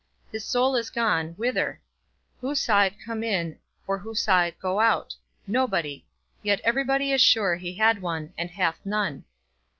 His soul is gone, whither? Who saw it come in, or who saw it go out? Nobody; yet everybody is sure he had one, and hath none.